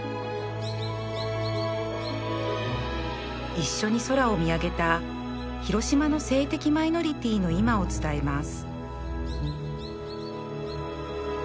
一緒に空を見上げた広島の性的マイノリティーの今を伝えます